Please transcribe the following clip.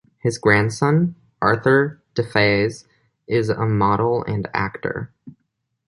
His grandson, Arthur Defays, is a model and actor.